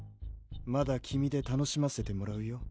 まだ君で楽しませてもらうよ